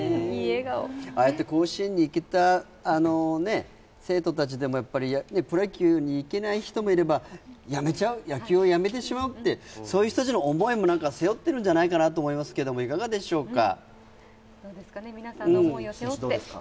ああやって甲子園に行けた生徒たちでもプロ野球にいけない人もいれば野球を辞めてしまうってそういう人たちの思いも背負ってるんじゃないかなと思いますがいかがでしょうか。